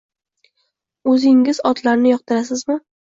O`zingiz otlarni yoqtirasizmi